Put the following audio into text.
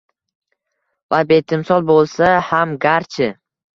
Va betimsol boʼlsa ham garchi: